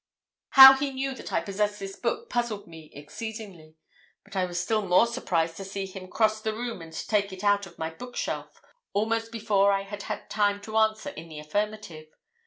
"How he knew that I possessed this book puzzled me exceedingly; but I was still more surprised to see him cross the room and take it out of my book shelf almost before I had had time to answer in the affirmative.